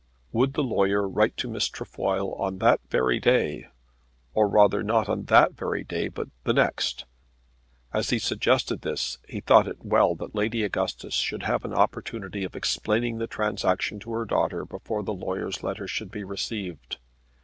Would the lawyer write to Miss Trefoil on that very day; or rather not on that very day but the next. As he suggested this he thought it well that Lady Augustus should have an opportunity of explaining the transaction to her daughter before the lawyer's letter should be received.